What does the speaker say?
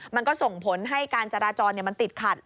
มันก็ส่งผลให้การจราจรมันติดขัด